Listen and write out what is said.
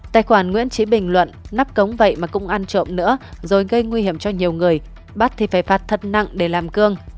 tài khoản nguyễn trí bình luận nắp cống vậy mà cũng ăn trộm nữa rồi gây nguy hiểm cho nhiều người bắt thì phải phạt thật nặng để làm cương